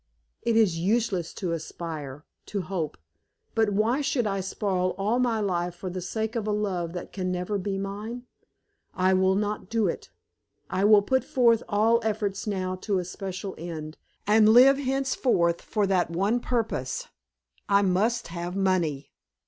It is useless to aspire, to hope. But why should I spoil all my life for the sake of a love that can never be mine? I will not do it! I will put forth all efforts now to a special end, and live henceforth for that one purpose. I must have money.